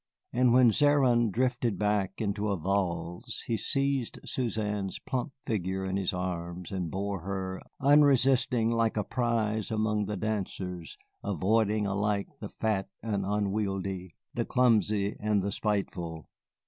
And when Zéron drifted back into a valse he seized Suzanne's plump figure in his arms and bore her, unresisting, like a prize among the dancers, avoiding alike the fat and unwieldy, the clumsy and the spiteful.